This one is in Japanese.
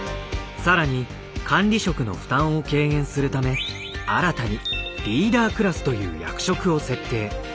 更に管理職の負担を軽減するため新たに「リーダークラス」という役職を設定。